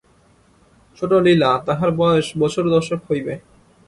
ছোটো লীলা, তাহার বয়স বছর দশেক হইবে।